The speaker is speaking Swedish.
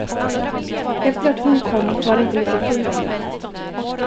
Efter att hon kom var det inte lika kul längre.